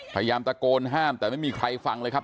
พยายามตะโกนห้ามแต่ไม่มีใครฟังเลยครับ